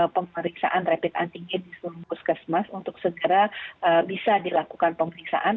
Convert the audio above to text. pemeriksaan rapid antigen di seluruh puskesmas untuk segera bisa dilakukan pemeriksaan